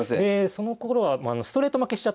そのころはストレート負けしちゃったんですね。